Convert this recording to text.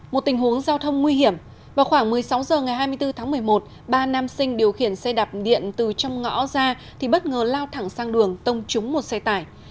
một tình huống giao thông nguy hiểm vào khoảng một mươi sáu h ngày hai mươi bốn tháng một mươi một ba nam sinh điều khiển xe đạp điện từ trong ngõ ra thì bất ngờ lao thẳng sang đường tông trúng một xe tải